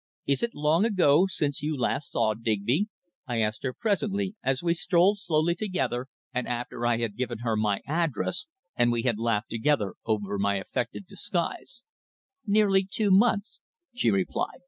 "Is it long ago since you last saw Digby?" I asked her presently, as we strolled slowly together, and after I had given her my address, and we had laughed together over my effective disguise. "Nearly two months," she replied.